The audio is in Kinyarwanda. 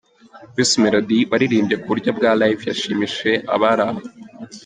Bruce Melodie waririmbye kuburyo bwa Live yashimishije abari aho.